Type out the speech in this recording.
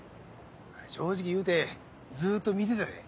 正直言うてずっと見てたで。